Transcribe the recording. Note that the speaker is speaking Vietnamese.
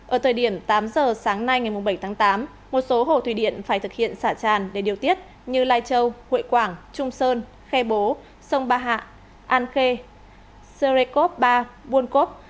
ở thời điểm tám giờ sáng nay ngày bảy tháng tám một số hồ thủy điện phải thực hiện xả tràn để điều tiết như lai châu hội quảng trung sơn khe bố sông ba hạ an khê serekop ba buôn cốc